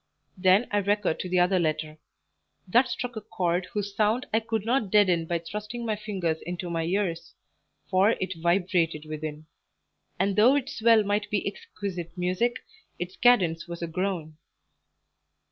Then I recurred to the other letter: that struck a chord whose sound I could not deaden by thrusting my fingers into my ears, for it vibrated within; and though its swell might be exquisite music, its cadence was a groan.